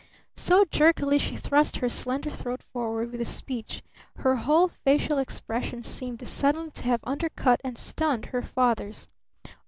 So jerkily she thrust her slender throat forward with the speech, her whole facial expression seemed suddenly to have undercut and stunned her father's.